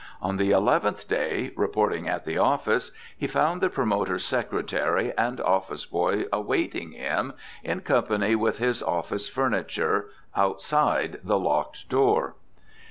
On the eleventh day, reporting at the office, he found the promoter's secretary and office boy awaiting him, in company with his office furniture, outside the locked door.